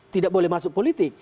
tidak boleh masuk politik